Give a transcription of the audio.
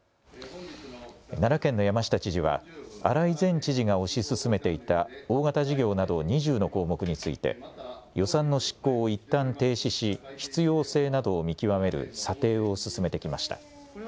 奈良県の山下知事は荒井前知事が推し進めていた大型事業など２０の項目について予算の執行をいったん停止し必要性などを見極める査定を進めてきました。